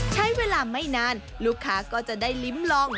ใช้เวลาไม่นานลูกค้าก็จะได้ลิ้มลอง